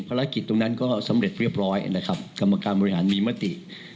ภารกิจตรงนั้นก็สำเร็จเรียบร้อยนะครับกรรมการบริหารมีมติ